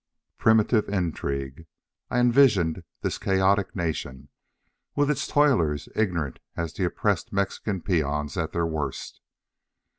Primitive intrigue. I envisaged this chaotic nation, with its toilers ignorant as the oppressed Mexican peons at their worst.